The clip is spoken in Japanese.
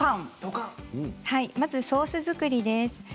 まずソース作りです。